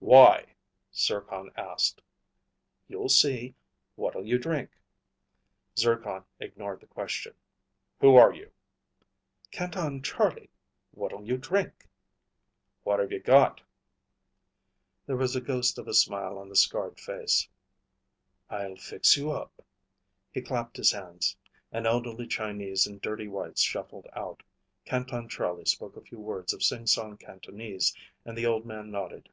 "Why?" Zircon asked. "You'll see. What'll you drink?" Zircon ignored the question. "Who are you?" "Canton Charlie. What'll you drink?" "What have you got?" There was a ghost of a smile on the scarred face. "I'll fix you up." He clapped his hands. An elderly Chinese in dirty whites shuffled out. Canton Charlie spoke a few words of singsong Cantonese and the old man nodded.